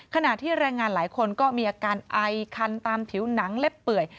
ขณะที่แรงงานหลายคนก็มีอาการไอคันตามผิวหนังเล็บเปื่อย